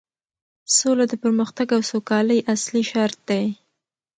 سوله د پرمختګ او سوکالۍ اصلي شرط دی